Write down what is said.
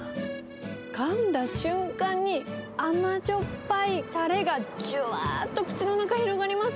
かんだ瞬間に、甘じょっぱいたれがじゅわっと口の中、広がります。